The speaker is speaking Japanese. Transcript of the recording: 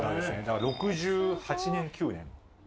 ・６８年６９年。